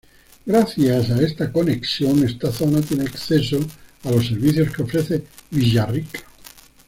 Gracias a esta conexión, esta zona tiene acceso a los servicios que ofrece Villarrica.